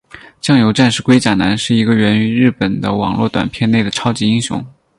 酱油战士龟甲男是一个源于日本的网络短片内的超级英雄。